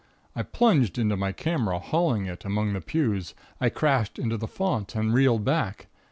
I plunged into my camera, hurling it among the pews. I crashed into the font, and reeled back.